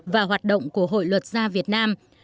và hoạt động của hội luật gia việt nam